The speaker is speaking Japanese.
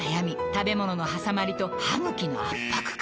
食べ物のはさまりと歯ぐきの圧迫感